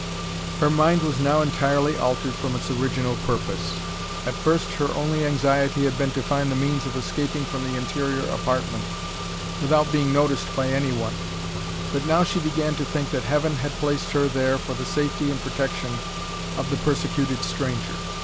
Her mind was now entirely altered from its original purpose. At first her only anxiety had been to find the means of escaping from the interior apartment, without being noticed by any one; but now she began to think that Heaven had placed her there for the safety and protection of the persecuted stranger.